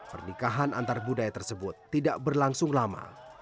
pernikahan antar budaya tersebut tidak berlangsung lama